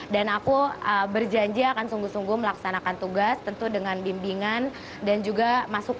dan aku berjanji akan sungguh sungguh melaksanakan tugas tentu dengan bimbingan dan juga masukan dan rekonstruksi